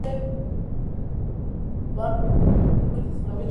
სამივე კომპოზიციას შესანიშნავი მიღწევა ჰქონდა.